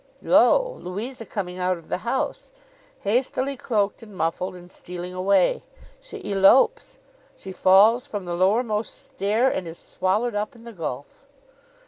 Lo, Louisa coming out of the house! Hastily cloaked and muffled, and stealing away. She elopes! She falls from the lowermost stair, and is swallowed up in the gulf.